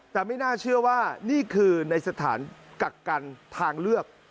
แต่ไม่น่าเชื่อว่านี่คือในสถานกักกันทางเลือก